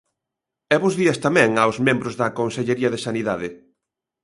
E bos días tamén aos membros da Consellería de Sanidade.